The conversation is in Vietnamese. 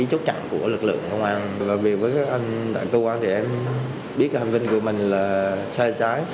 cho đến khi được mời làm việc với cơ quan công an đối tượng này mới biết mình đang bị lợi dụng